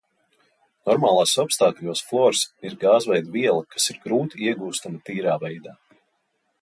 Normālos apstākļos fluors ir gāzveida viela, kas ir grūti iegūstama tīrā veidā.